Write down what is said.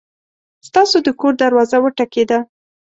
ستاسو د کور دروازه وټکېده!